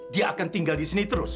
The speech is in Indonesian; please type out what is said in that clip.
dia akan tinggal disini terus